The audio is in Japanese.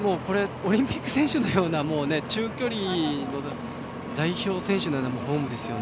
オリンピック選手のような中距離の代表選手のようなフォームですね。